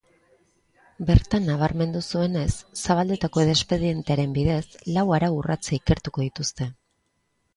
Bertan nabarmendu zuenez, zabaldutako espedientearen bidez, lau arau-urratze ikertuko dituzte.